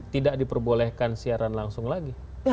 tidak diperbolehkan siaran langsung lagi